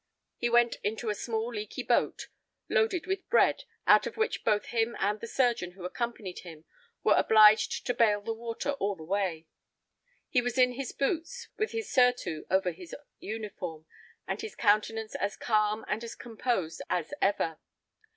He went into a small leaky boat, loaded with bread, out of which both him and the surgeon who accompanied him were obliged to bail the water all the way. He was in his boots, with his surtout over his uniform, and his countenance as calm and as composed as ever.